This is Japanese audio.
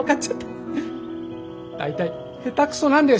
大体下手くそなんだよ